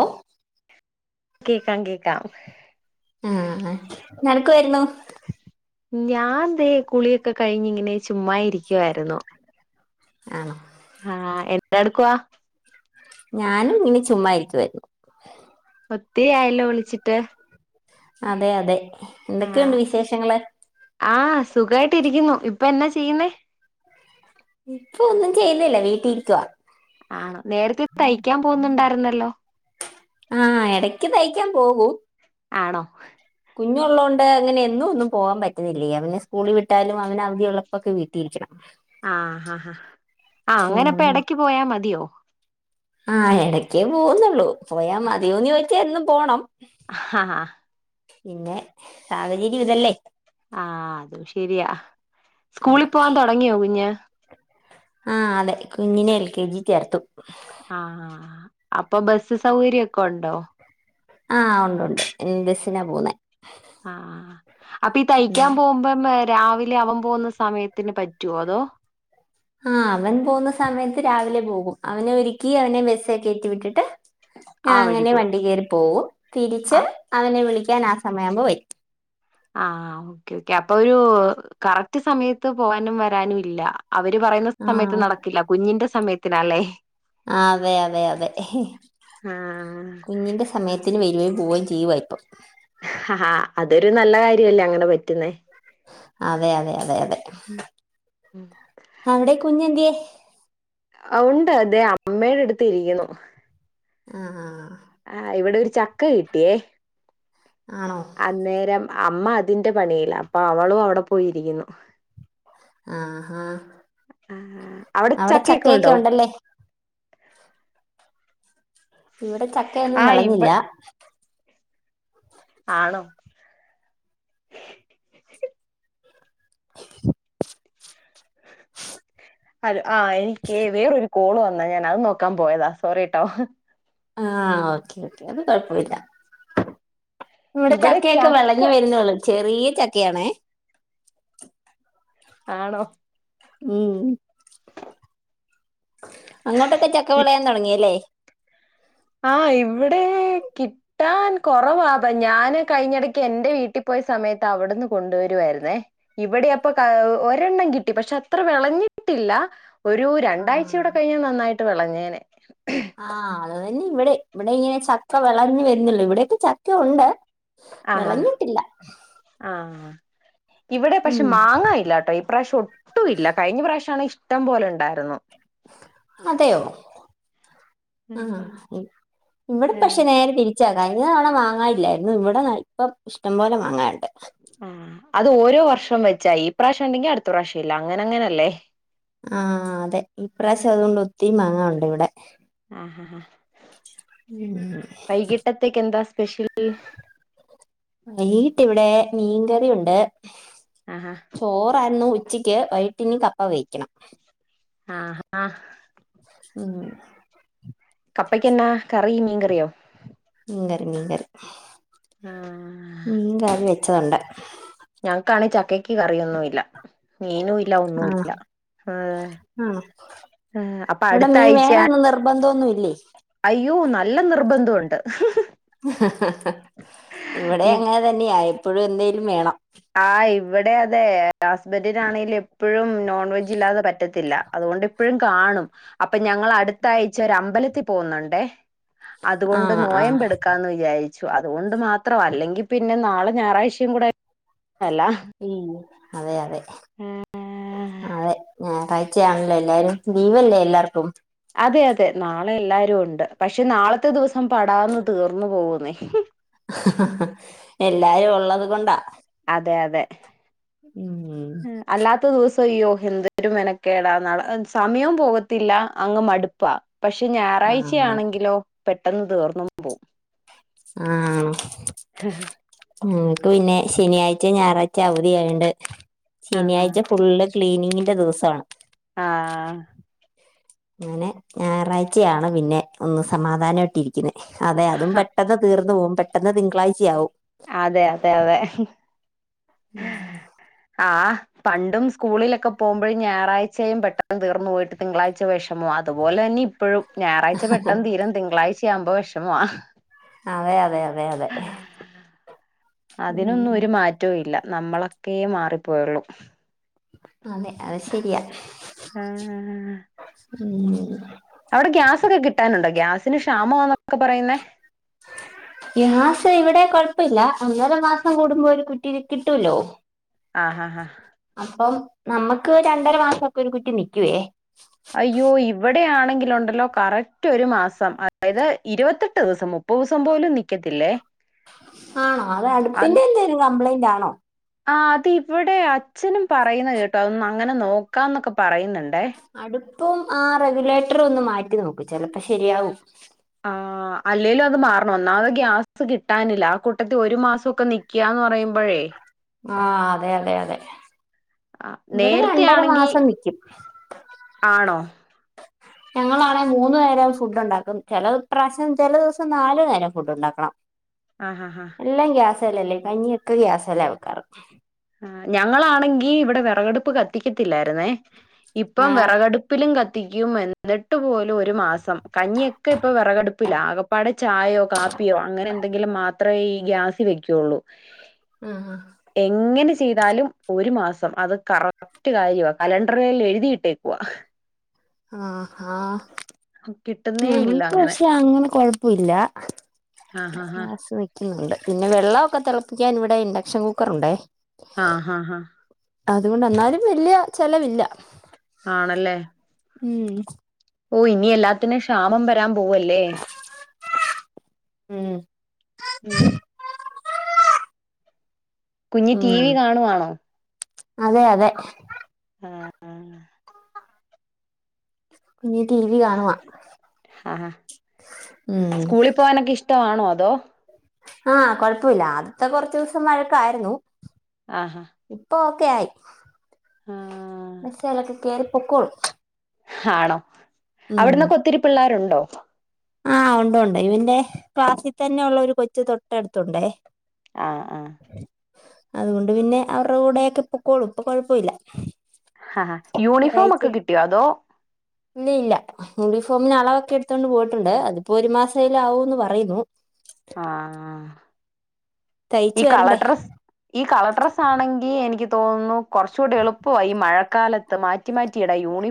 O കേക്കാം കേക്കാം ആ നരക്ക് വരുന്നു ഞാൻ ദേ കുളിയൊക്കെ കഴിഞ്ഞ് ഇങ്ങനെ ചുമ്മാ ഇരിക്ക്യായിരുന്നു ആണോ ആണോ എന്തെടുക്കുവ ഞാനും ഇങ്ങനെ ചുമ്മാരിക്കായിരുന്നു ഒത്തിരി ആയല്ലോ വിളിച്ചിട്ട് അതെ അതെ ആ എന്തൊക്കെ ഉണ്ട് വിശേഷങ്ങള് സുഖയിട്ട് യിക്കുന്നു ഇപ്പൊ എന്നാ ചെയ്യുന്നേ ഇപ്പൊന്നും ചെയ്യുന്നില്ല വീട്ട്ലിരിക്കുവാ ആ ആ എടക്ക് തൈക്കാൻ പോകും ആണോ ഇഞ്ഞു ഉള്ളോണ്ട് അങ്ങനെ എന്നൊന്നും പോവാൻ പറ്റുന്നില്ല്യ പിന്നെ സ്കൂൾ വിട്ടാലും അവനു അവധി ഉള്ളപ്പോയൊക്കെ വീട്ടിലിരിക്കണം ആ ഹാ ഹാ അങ്ങനെ പ്പൊ എടക്ക് പോയാൽ മതിയോ ആ എടക്ക് പോവുംന്നൊള്ളൂ പോയാൽ മതിയോന്ന് ചോ എന്നും പോണം ഹഹാ പിന്നെ സാഹചര്യം ഇതല്ലേ ശെരിയാ സ്കൂളിൽ അതെ പോവാൻ തൊടങ്ങിയോ കുഞ്ഞ്? ആഹ് അതെ കുഞ്ഞിനെ എൽ കെ ജി ചേർത്തു. ആ അപ്പൊ ബസ് സൗകര്യക്കൊ ണ്ടോ? ആ ഉണ്ട് ഉണ്ട് ഉം ബെസിനാ പോവുന്നെ ആ അപ്പൊ ഈ ഉം തൈക്കാൻ പോവുമ്പോ ഏ രാവിലെ അവൻ പോവുന്ന സമയത്ത്ന് പറ്റോ അതോ ആ അവൻ പോവുന്ന സമയത്ത് രാവിലെ പോകും അവനെ ഒരുക്കി അവനെ ബസ് കയറ്റിവിട്ടിട്ട് ആ വഴി അങ്ങനെ പോവും വണ്ടി കയറി പോവും ആ തിരിച്ച് അവനെ വിളി ക്കാൻ ആ സമയാവുമ്പോ വരും. ആ ഒക്കെ ക്കെ അപ്പൊ രു കറക്റ്റ് സമയത്ത് പോവാനും വരാനുല്ല അവര് പറയുന്ന ആ സമയത്ത് നടക്കില്ല കുഞ്ഞിന്റെ സമയ ത്തിനാലെ ആ അതെ അതെ അതെ ആഹ് കുഞ്ഞിൻ്റെ സമയത്തിന് വേരേം പോവേം ചെയുവാപം ഹ ഹ അതൊരു നല്ല കാര്യല്ലേ അങ്ങനെ പറ്റുന്നേ അതെ അതെ അതെ അതെ ഉം. അവിടെ കുഞ്ഞ് എന്ത്യേ? ഉണ്ട് ദേ അമ്മേടെ അടുത്ത് ഇരിക്കുന്നു. ആഹ് ആഹ് ഇവിടെ ഒരു ചക്ക കിട്ടിയേ ആണോ അന്നേരം അമ്മ അതിൻ്റെ പണിയിലാ, അപ്പൊ അവളും അവിടെ പോയിരിക്കുന്നു. ആഹാ ആഹ് അവിടെ അവടെ ചക്കയൊക്കെ ഉണ്ടോ? ഉണ്ടല്ലേ? ഇവിടെ ചക്കയൊന്നും ആഹ് ഇവ വെളഞ്ഞില്ല ആണോ ഹലോ ആ എനിക്കേ വേറൊരു കോള് വന്നേ ഞാൻ അത് നോക്കാൻ പോയതാ സോറിട്ടോ ആ ഓക്കേ ഓക്കേ അത് കൊഴപ്പോല്ല ഇവിടെ ചക്കയൊക്കെ വെളഞ്ഞു വരുന്നേ ഒള്ളൂ ചെറിയ ചക്കയാണേ ആണോ ഉം അങ്ങോട്ടൊക്കെ ചക്ക വിളയാൻ തുടങ്ങിയല്ലേ ആ ഇവിടെ കിട്ടാൻ കുറവാ ഞാൻ കഴിഞ്ഞയിടയ്ക്ക് എൻ്റെ വീട്ടിൽ പോയ സമയത്ത് അവിടെന്ന് കൊണ്ടുവരുമായിരുന്നേ ഇവിടെ അവിടെ ഒരെണ്ണം കിട്ടി പക്ഷേ അത്ര വിളഞ്ഞിട്ടില്ല. ഒരു രണ്ടാഴ്ച ആഹ് കൂടി കഴിഞ്ഞ നന്നാ വിളഞ്ഞേനെ ആ അതന്നെ ഇവിടെയും ഇവിടെ ഇങ്ങനെ ചക്ക വിളഞ്ഞു വരുന്നതേ ഉള്ളൂ ഇവിടെ ഒക്കെ ചക്കയുണ്ട് ആഹാ വിളഞ്ഞിട്ടില്ല ആഹ് ഇവിടെ പക്ഷേ ഉം മാങ്ങ ഇല്ലാട്ടോ ഈ പ്രാവശ്യം ഒട്ടുമില്ല കഴിഞ്ഞ പ്രാവശ്യമാണെ ഇഷ്‌ടം പോലെ ഉണ്ടായിരുന്നു [inaudible] ആ ഉം ഇവിടെ പക്ഷേ ആഹ് നേരേ തിരി [inaudible] വാങ്ങാൻ ഇല്ലായിരുന്നു ഇവിടെ ഇഷ്ടം പോലെ വാങ്ങാൻ ഉണ്ട്. ആ അത് ഒരേ വർഷംവെച്ച ഈ പ്രാവശ്യം ഉണ്ടെങ്കിൽ അടുത്ത പ്രാവശ്യമില്ല അങ്ങനെ അങ്ങനെയല്ലേ ആ അതെ ഈ പ്രാവശ്യം അതോണ്ട് ഒത്തിരി മാങ്ങയുണ്ട്. ഇവിടെ [inaudible] [unintelligible] ഉം. വൈകിട്ടെക്കെന്താ സ്‌പേഷ്യൾ വൈകിട്ട് ഇവിടെ മീൻ കറി ഉണ്ട് ആഹ് ചോറയിരുന്നു ഉച്ചയ്ക്ക് വൈകിട്ട് ഇനി കപ്പ വേവിക്കണം ആഹ്ഹ ഉം കപ്പാക്ക് എന്നാ കറി മീൻ കറിയോ മീൻ കറി മീൻ കറി ആഹ് ച്ചത് ഉണ്ട് ഞങ്ങൾക്ക് ആണെ ചക്കക്ക് കറി ഒന്നുവില്ല മീനുവില്ലാ ഒന്നുവില്ല ഏഹ് അവിടെ മീൻ വേണോന്ന് നിർബന്ധം ഒന്നുവില്ലേ ല്ലാ നിർബന്ധോണ്ട് [unintelligible] [inaudible] ഇവിടേം ഈ അങ്ങനെ തന്നെയാ എപ്പോഴും എന്തേലും വേണം ആഹ് ഇവിടെ അതെ ഹസ്ബന്റിന് ആണെല് എപ്പഴും നോൺ വെജ് ഇല്ലാതെ പറ്റത്തില്ല അതോണ്ട് ഇപ്പഴും കാണും അപ്പോ ഞങൾ അടുത്താഴ്ച ഒരു അമ്പലത്തിൽ പോകുന്നുണ്ടെ അതുകൊണ്ട് ആഹ് ആഹ് നോയംബ് എടുക്കാന്ന് വിചാരി ച്ചു അതുകൊണ്ട് മാത്ര അല്ലെങ്കിൽ പിന്നെ നാളെ ഞായറാഴ്ഷേ കൂടാ മ്മ്ഹ് അതെ അതെ ആഹ്ആ ആഹ് അതെ ഞായാഴ്ച ആണല്ലോ എല്ലാരും ലീവ് അല്ലെ എല്ലാർക്കും അതെ അതെ നാളെ എല്ലാരും ഉണ്ട് പക്ഷേ നാളത്താ ദിവസം പാടാന്ന് തീർന്നു പോകുന്നെ ആഹ് ഹാ എല്ലാരും ഉള്ളത് കൊണ്ട അതെ അതെ ഉം. അല്ലാത്ത ഉംഹ് ദിവസം അയ്യോ എന്തൊരു മിനക്കെടാ നാളെ സമയോം പോകത്തില്ല അങ്ങു മടുപ്പാ പക്ഷേ ഞായറാഴ്ച ആഹ് ആണെങ്കിലോ പെ ട്ടെന്ന് തീർന്നും പോവും ആഹ് ഹ് ഹ് ഉം ഞക്ക് പിന്നെ ശനിയാഴ്ചയും ഞായറാഴ്ചയും അവധി ആയോണ്ട് ആഹ് ശനിയാഴ്ച ഫുള്ള് ക്ലീനിങ്ങിന്റെ ദിവസവാ ആ അങ്ങനെ ഞായറാഴ്ചയാണ് പിന്നെ ഒന്ന് സമാധാനമായിട്ട് ഇട്ടിരിക്കുന്നേ അതെ അതും പെട്ടെന്ന് തീർന്ന് പോകും പെ പെട്ടന്ന് തിങ്കളാ്ച ആവും അതെ അതെ അതെ ഉം ആ പണ്ടും സ്കൂളിലൊക്കെ പോകുമ്പോഴും ഞായറാഴ്ചയും പെട്ടെന്ന് തീർന്നു പോയിട്ട് തിങ്കളാഴ്ച വെഷമാ അതുപോലെ തന്നെ ഇപ്പഴും ഞായറാഴ്ച പെട്ടെന്ന് തീരും തിങ്കളാഴ്ച യാവുമ്പോ വെഷമാ അതെ അതെ അതെ അതെ അതെ അതിനൊന്നും ഒരു മാറ്റവും ഇല്ല നമ്മളൊക്കെയെ മാറിപ്പോയൊള്ളു അതെ അത് ശരിയാ ആഹ് ഉം അവിടെ ഒക്കെ പറയുന്നേ ഗ്യാസ് ഇവിടെ കൊഴപ്പില്ല. ഒന്നര മാസം കൂടുമ്പോ ഒരു കുറ്റി കിട്ട്ല്ലോ ആ ഹഹ നമ്മക്ക് രണ്ടര മാസൊക്കെ ഒരു കുറ്റിനിക്കുവേ അയ്യോ ഇവിടെയാണ് എങ്കിലുണ്ടല്ലോ കറക്റ്റ് ഒരു മാസം അതായത് ഇരുവത്തെട്ട് ദിവസം മുപ്പതു ദിവസം പോലും നിക്കത്തില്ലേ ആണോ അത് അടുപ്പിന്റെ എന്തേലും കംപ്ലെന്റാണോ? ആ അത് ഇവിടെ അച്ഛനും പറയുന്ന കേട്ടു അതൊന്ന് അങ്ങനെ നോക്കാംന്നൊക്കെ പറയുന്നു. അടു പ്പും ആ റെഗുലേറ്റർ ഒന്ന് മാറ്റി നോക്ക് ചെലപ്പ ശെരിയാവും. ആ അല്ലേലും അത് മാറണം ഒന്നാത് ഗ്യാസ് കിട്ടാനില്ല ആ കൂട്ടത്തി ഒരു മാ സൊക്കെ നിക്ക്യാന്ന് പറയുമ്പോഴേ ആ അതെ അതെ അതെ ആഹ് ഇവിടെ നേരത്തെ രണ്ടര ആണെങ്കി മാസം നിക്കും. ആണോ ഞങ്ങളാണെ മൂന്നു നേരം ഫുഡ് ഉണ്ടാക്കും. ചെല പ്രാശം ചെല ദിവസം നാല് നേരം ഫുഡ് ഉണ്ടാക്കണം. ആഹഹ ല്ലല്ലേ കഞ്ഞിയൊക്കെ ഗ്യാസേലാ വെക്കാറ്. ഞങ്ങളാണെങ്കിഇവിടെ വിറകടുപ്പ് കത്തിക്കത്തില്ലായി ര്ന്നെ ഇപ്പം ആ വിറകടുപ്പിലും ക ത്തിക്കും. എന്നിട്ട് പോലും ഒരു മാസം. കഞ്ഞിയൊക്കെ ഇപ്പ വിറകടുപ്പിലാ ആകെ പ്പാടെ ചായയോ കാപ്പിയോ അങ്ങനെ എന്തെങ്കിലും മാ ഇത്രയീ ഗ്യാസ് വെക്കുള്ളൂ. ആഹ്ആ എങ്ങനെ ചെയ്താലും ഒരു മാസം അത് കറക്ട് കഴിവുവാ കലണ്ടറിൽ എഴുതി ഇട്ടേക്കുവാ. ആഹ് ആ കിട്ടുന്നേ ഇല്ല ഞങ്ങക്ക് അങ്ങനെ പക്ഷേ അങ്ങനെ കൊഴപ്പല്ല ആ ഹാ ഹാ ഗ്യാസ് നിക്കും ന്നുണ്ട് പിന്നെ വെള്ളക്കെ തിളപ്പിക്കാൻ ഇവിടെ ഇൻജെക്ഷൻ കുക്കർ ഉണ്ടേ. ഹാ ഹാ ഹാ അതുകൊണ്ട് എന്നാലും വല്ല്യ ചെലവില്ല. ആണല്ലേ. ഉം ഓ ഇനി എല്ലാത്തിനും ക്ഷാമം വരാൻ പോവല്ലേ. ഉംഹ് ഉംഹ് കുഞ്ഞ് ഉം ടിവി കാണുവാണോ? അതെ അതെ. ആ ആ കുഞ്ഞ് ടിവി കാണുവാ. ആ ഹാ ഉം സ്കൂളിൽ പോവനൊക്കെ ഇഷ്ടമാ അതോ ആ കുഴപ്പമില്ല ആദ്യത്തെ കൊറച്ചുദിവസം വഴക്കായിരുന്നു. ആ ഹാ [unintelligible] മിസ്സല്ലേ കിട്ടിയാല് പൊക്കോളും. ആണോ. അവിടുന്നക്കൊത്തിരി പിള്ളേരു ണ്ടോ? ആ ഉണ്ട് ഉണ്ട് ഇവന്റെ ക്ലാസ്സിൽ തന്നെ ഉള്ള ഒരു കൊച്ച് തൊട്ടടുത്തുണ്ടേ. ആ ആ അതുകൊണ്ട് പിന്നെ അവരുടെ കൂടെ ആയിട്ട് പൊക്കോളും ഇപ്പം കൊഴപ്പല്ല. ഹ ഹ യൂണിഫോമക്കെ കിട്ടിയോ അതോ പ്പം ഞാനതൊക്കെ എടുത്തോണ്ട് പോയി ട്ടുണ്ട് അതിപ്പോ ഒരു മാസേലും ആകുന്ന് പറയുന്നു. ആ ഈ തയ്ച്ചു കളർ വരണ്ടേ ഡ്രസ്സ് ഈ കളർ ഡ്രസ്സ് ആണെങ്കി എനിക്ക് തോന്നുണു കുറച്ചു കൂടി എളുപ്പമാ ഈ മഴക്കാല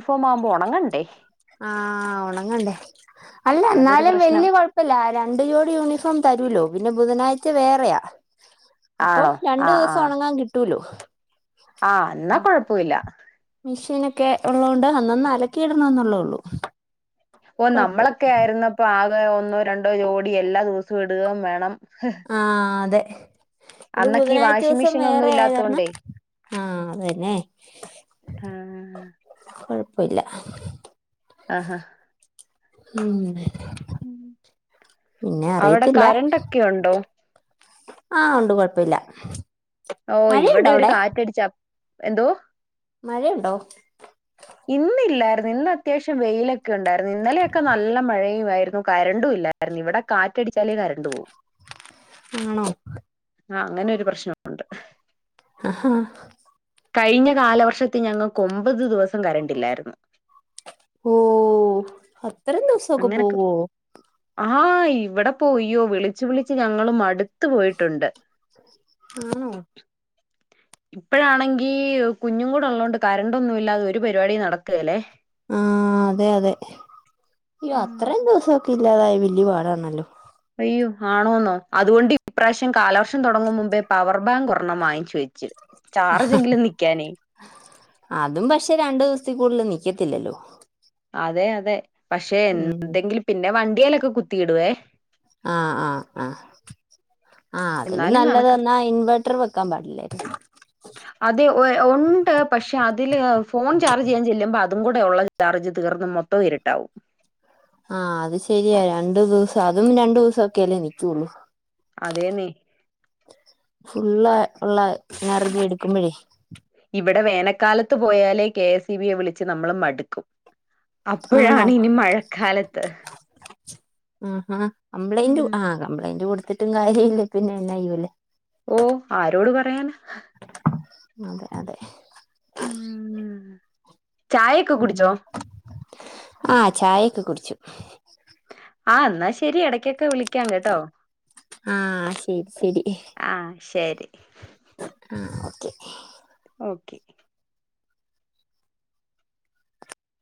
ഫോമാവുമ്പോ ഒണങ്ങണ്ടേ. ആഹ് ഒണങ്ങണ്ടെ അല്ല എന്നാലും പ്രശ്നം വല്ല്യ കൊഴപ്പ ഇല്ല രണ്ട് ജോഡി യൂണിഫോം തരൂല്ലോ. വി ഇന് ബുധനാഴ്ച്ച വേറയാ അപ്പം ആണോ രണ്ട് ദെവസം ഒണങ്ങാൻ കിട്ടോലൊ ആഹ് എന്നാ കൊഴപ്പൊ ഇല്ല മിഷേനക്കെ ഒള്ളോണ്ട് അന്നന്ന് അലക്കി ഇടണോന്നൊള്ളോള്ളു ഓ നമ്മളക്കെ ആയിരുന്നപ്പ ആ ഇപ്പേ ഒന്നോ രണ്ടോ ജോഡി എല്ലാ ദെവ്‌സവും ഇട്‌കേം വേണം അഹ് അതെ ഇത് അന്നൊക്കെ ഈ ബുധനാഴ്ച്ച വാഷിംഗ് ഇവസം മെഷീൻ വേറെ ഒന്നും ആയത് കാരണം ഇല്ലാത്തോണ്ടേ ആഹ് അത് തന്നെ. ആ കൊഴപ് ഇപ്പൊ ഇല്ല ആഹ് ഹാ ന്ന്ങ്ങനെ അവ്ട അറിയത്തില്ല കരണ്ടക്കെ ഒണ്ടോ ആഹ് ഒണ്ട് കൊഴൊപ്പ ഇല്ല ഓ ഇവടെ ഒര് കാറ്റടിച്ചാ എന്തോ മഴ ഉണ്ടോ ഇന്നില്ലാര്ന്ന് ഇന്ന് അത്യാവശ്യം വെയില ക്ക ഒണ്ടാര്ന്ന് ഇന്നലേക്ക നല്ല മഴയും ഓഫായിരുന്നു കരണ്ടു ഇല്ലായ്ര്ന്ന് ഇവടെ കാറ്റടിച്ചാലെ കരണ്ട് പോവും. ആണോ ആഹ് അങ്ങനെ ഒരു പ്രശ്നോണ്ട്. ആ ഹാ കഴിഞ്ഞ കാലവർഷത്തി ഞങ്ങക്ക് ഒമ്പത് ദിവസം കരണ്ടില്ലാരുന്നു. ഓ അ ത്രേം ദിവസോക്ക അങ്ങനൊക്കെ പോവോ ആ ഇവടെപ്പോ യ്യോ വിളിച്ച് വിളിച്ച് ഞങ്ങള് മട് ട്ത്ത് പോയിട്ടുണ്ട് ആണോ ഇപ്പഴാണങ്കി കുഞ്ഞുകൂടെള്ളോണ്ട് കരണ്ടൊന്നും ഇല്ലാതെ ഒരു പരിപാടീം നടക്കേലെ അഹ് അതെ അതെ യ്യോ അത്രേം ദിവസോക്കേ [unintelligible] ഇല്ലാതായ വല്യ പാടാണല്ലോ യ്യോ ആണോന്നോ അതുകൊണ്ട് ഇപ്രാശ്യം കാലവർഷം തൊടങ്ങും മുമ്പേ പവർ ബാങ്ക് ഒരണ്ണം വാങ്ങിച്ച് വെച്ച്. ചാർജെങ്കിലും നിക്കാനെ അതും പക്ഷെ രണ്ട് ദിവസത്തി കൂടുതല് നിക്കത്തില്ലല്ലോ. അതെ അതെ പക്ഷേ ഉം എന്തെങ്കില് പിന്നെ വ ണ്ടിയേലൊക്കെ കുത്തി ഇടുവേ ആ ആ ആ ആ അതിന് എന്നാലും കണക്കാ നല്ലതന്നാ ഇൻവെ അത്ര വെക്കാൻ പാടില്ലായിരുന്നു അതെ ഒ ഒണ്ട് പക്ഷെ അതില് ഫോൺ ചാർജ് ചെയ്യാ ചെല്ലുമ്പ അ തും കൂടെള്ള ചാർജ് തീർന്ന് മൊത്തം ഇരിട്ടാവും. ആ അത് ശെരിയാ രണ്ട് ദിവസം അതും രണ്ട് ദിവസൊക്കേല്ലേ നിക്കോള്ളൂ അതേന്നെ ഫുള്ളാ ഉള്ള ചാർജെടട്ക്കുമ്പഴേ ഇവിടെ വേനക്കാലത്ത് പോയാലേ കെ എസ് ഇ ബി യെ വിളിച്ച് നമ്മള് മടുക്കും ആണോ അപ്പഴാണ് ഇനി മഴക്കാലത്ത് ആ ആഹ് കംപ്ലൈന്റു ഉം. ആഹ് കംപ്ലൈന്റ് കൊട് ടുത്തിട്ടും കാര്യല്ല പിന്നെ എന്നാ ചെയ്യൂല്ലേ ഓ ആരോട് പറയാനാ. അതെ അതെ മ്മ് മ്മ് ആഹ് ചായ്‌ ക്കെ കുടിച്ചു ആഹ് എന്നാ ശെരി എട ക്കൊക്കെ വിളിക്കാം കേട്ടോ ആ ശരി ആഹ് ശെരി ആഹ് ഓക്കെ ഓക്കെ